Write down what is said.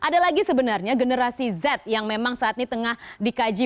ada lagi sebenarnya generasi z yang memang saat ini tengah dikaitkan dengan generasi y